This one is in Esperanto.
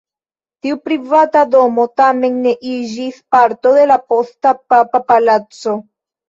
Tiu privata domo tamen ne iĝis parto de la posta papa palaco.